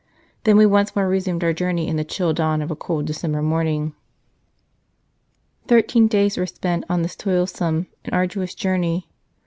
Then we once more resumed our journey in the chill dawn of a cold December morning." Thirteen day^werc .apcB t on this toilsome and f St. Charles Borromeo arduous journey.